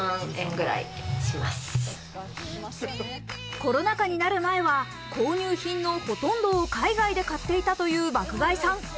コロナ禍になる前は購入品のほとんどを海外で買っていたという爆買いさん。